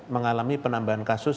mengalami penambahan kasus